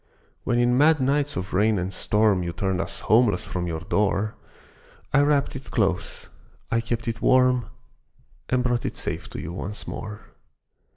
When in mad nights of rain and storm You turned us homeless from your door, I wrapped it close, I kept it warm, And brought it safe to you once more.